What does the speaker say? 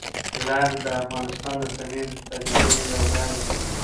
لعل د افغانستان د طبیعي پدیدو یو رنګ دی.